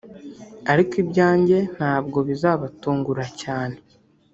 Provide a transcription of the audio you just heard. ariko ibyanjye ntabwo bizabatungura cyane